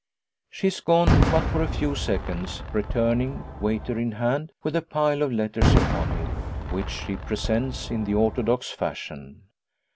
She is gone but for a few seconds, returning, waiter in hand, with a pile of letters upon it, which she presents in the orthodox fashion.